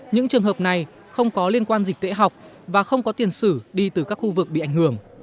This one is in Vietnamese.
những trường hợp này không có liên quan dịch tễ học và không có tiền sử đi từ các khu vực bị ảnh hưởng